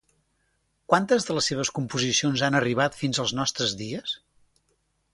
Quantes de les seves composicions han arribat fins als nostres dies?